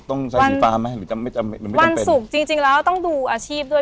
ต้องใช้สีฟ้าไหมหรือจะไม่จะหรือไม่วันศุกร์จริงจริงแล้วต้องดูอาชีพด้วย